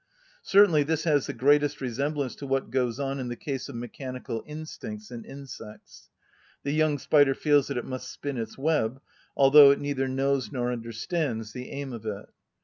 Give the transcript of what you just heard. Certainly this has the greatest resemblance to what goes on in the case of mechanical instincts in insects. The young spider feels that it must spin its web, although it neither knows nor understands the aim of it.